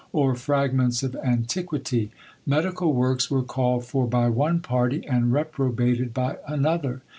or fragments of antiquity. Medical works were called for by one party, and reprobated by another.